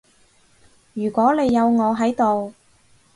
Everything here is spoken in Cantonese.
如果你有我喺度